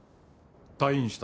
退院した？